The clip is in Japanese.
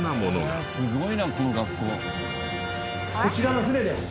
こちらの船です。